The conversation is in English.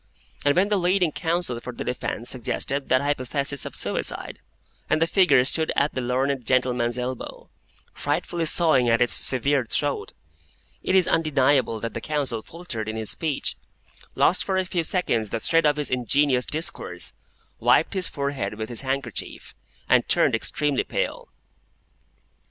When the leading counsel for the defence suggested that hypothesis of suicide, and the figure stood at the learned gentleman's elbow, frightfully sawing at its severed throat, it is undeniable that the counsel faltered in his speech, lost for a few seconds the thread of his ingenious discourse, wiped his forehead with his handkerchief, and turned extremely pale.